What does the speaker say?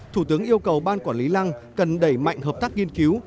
thủ tướng yêu cầu ban quản lý lăng cần đẩy mạnh hợp tác nghiên cứu